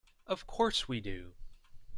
Of course we do.